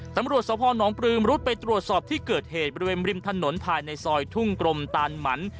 ตำรวจสภหนองปลือมรุดไปตรวจสอบที่เกิดเหตุบริเวณริมถนนภายในซอยทุ่งกรมตานหมัน